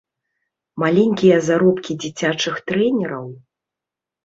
Маленькія заробкі дзіцячых трэнераў?